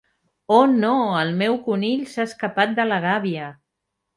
Oh no... El meu conill s'ha escapat de la gàbia!